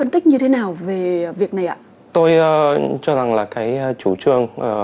tôi cho rằng là cái chú trương